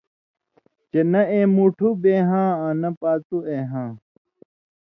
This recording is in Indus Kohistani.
چے نہ اېں مُوٹھُو بے ہاں آں نہ پاتُو اے ہاں۔